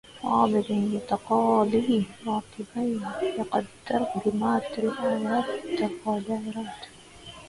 فاضل يتقاضى راتبا يقدّر بمآت آلاف الدّولارات.